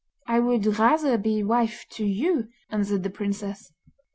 'I would rather be wife to you,' answered the princess.